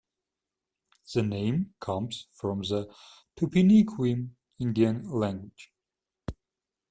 The name comes from the Tupiniquim Indian language.